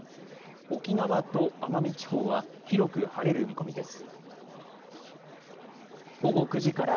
沖縄と奄美地方は広く晴れる見込みです。